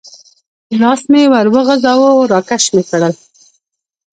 لاس مې ور وغځاوه، را کش مې کړل.